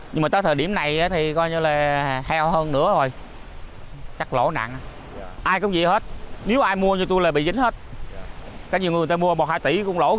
nhưng mà tới thời điểm này thì coi như là heo hơn nữa rồi